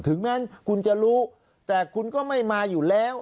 ถึงแม้คุณจะรู้แต่คุณก็ไม่มาอยู่แล้ว